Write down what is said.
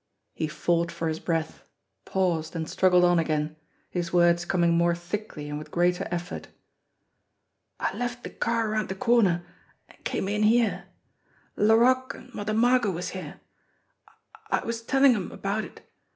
He fought for his breath, paused, and struggled on again, his words coming more thickly and with greater effort. "I left de car around de corner, an' came in here. La roque an' Mother Margot was here. I I was tellin' 'em about it.